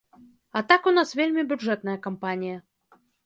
А так у нас вельмі бюджэтная кампанія.